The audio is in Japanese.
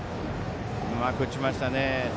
うまく打ちましたね。